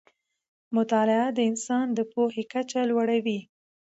مطالعه د انسان د پوهې کچه لوړه وي